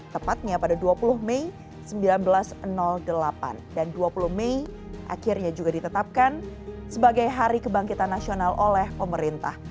tepatnya pada dua puluh mei seribu sembilan ratus delapan dan dua puluh mei akhirnya juga ditetapkan sebagai hari kebangkitan nasional oleh pemerintah